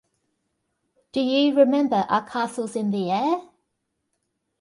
Do you remember our castles in the air?